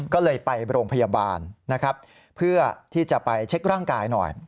ก็เลยไปโรงพยาบาลนะครับเพื่อที่จะไปเช็คร่างกายหน่อย